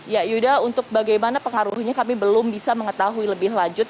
ya yuda untuk bagaimana pengaruhnya kami belum bisa mengetahui lebih lanjut